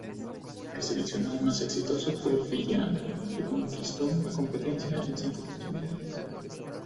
El seleccionado más exitoso fue el fiyiano, que conquistó la competencia en cinco oportunidades.